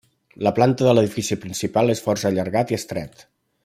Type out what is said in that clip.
La planta de l'edifici principal és força allargat i estret.